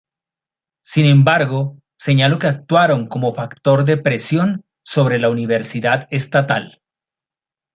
Sin embargo, señalo que actuaron como factor de presión sobre la universidad estatal.